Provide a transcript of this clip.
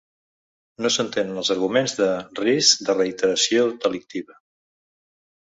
No s'entenen els arguments de "risc de reiteració delictiva".